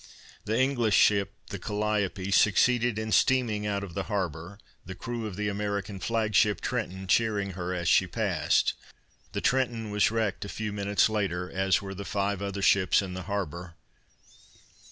The English ship, the Calliope, succeeded in steaming out of the harbor, the crew of the American flagship Trenton cheering her as she passed. The Trenton was wrecked a few minutes later, as were the five other ships in the harbor.